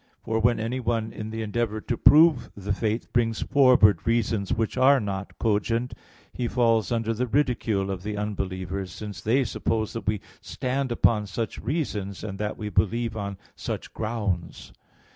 For when anyone in the endeavor to prove the faith brings forward reasons which are not cogent, he falls under the ridicule of the unbelievers: since they suppose that we stand upon such reasons, and that we believe on such grounds.